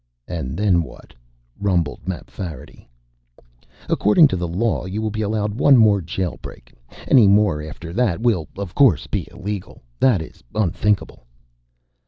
"And then what?" rumbled Mapfarity. "According to the law, you will be allowed one more jail break. Any more after that will, of course, be illegal. That is, unthinkable."